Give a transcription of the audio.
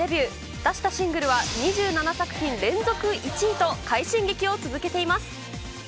出したシングルは２７作品連続１位と快進撃を続けています。